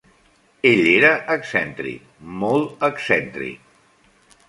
Ell era excèntric, molt excèntric.